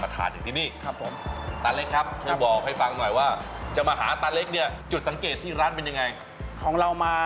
ทำไมนะครับ